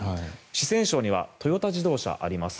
四川省にはトヨタ自動車があります。